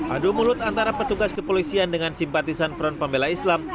adu mulut antara petugas kepolisian dengan simpatisan front pembela islam